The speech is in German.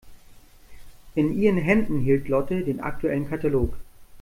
In ihren Händen hielt Lotte den aktuellen Katalog.